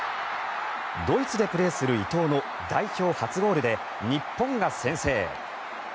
ドイツでプレーする伊藤の代表初ゴールで日本が先制。